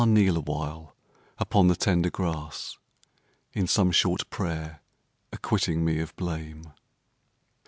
kneel awhile upon the tender grass In some short prayer acquitting me of blame.